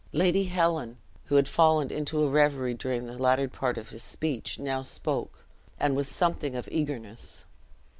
Lady Helen, who had fallen into a reverie during the latter part of his speech, now spoke, and with something of eagerness.